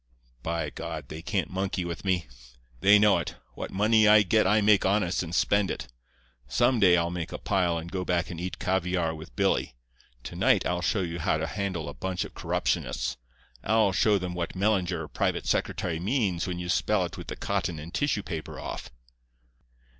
By ——, they can't monkey with me. They know it. What money I get I make honest and spend it. Some day I'll make a pile and go back and eat caviare with Billy. To night I'll show you how to handle a bunch of corruptionists. I'll show them what Mellinger, private secretary, means when you spell it with the cotton and tissue paper off.